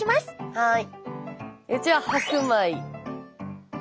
はい。